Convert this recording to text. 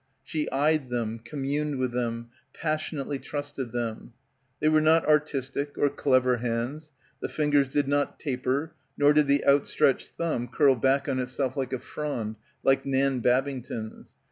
She eyed them, communed with them, passionately trusted them. They were not "artistic" or "clever" hands. The fingers did not "taper" nor did the outstretched thumb curl back on itself like a frond — like Nan Babing ton's.